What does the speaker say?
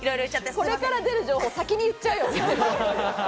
これから出る情報、先に言っちゃうよね。